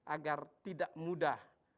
agar tidak mudah